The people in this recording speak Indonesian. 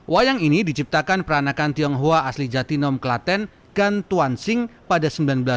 wayang ini diciptakan peranakan tionghoa asli jatinom klaten kan tuan sing pada seribu sembilan ratus sembilan puluh